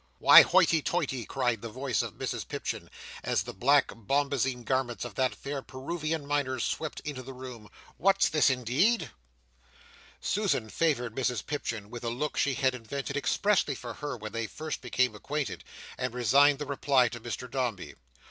"Why, hoity toity!" cried the voice of Mrs Pipchin, as the black bombazeen garments of that fair Peruvian Miner swept into the room. "What's this, indeed?" Susan favoured Mrs Pipchin with a look she had invented expressly for her when they first became acquainted, and resigned the reply to Mr Dombey.